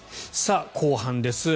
後半です。